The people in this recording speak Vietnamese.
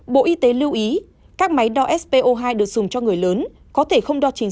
bộ y tế lưu ý các máy đo spo hai được dùng cho người lớn có thể không đo chính